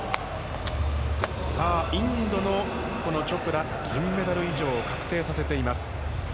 インドのチョプラ銀メダル以上確定させています。